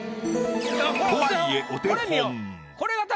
とはいえお手本。